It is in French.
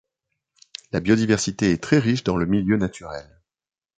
La biodiversité est très riche dans le milieu naturel.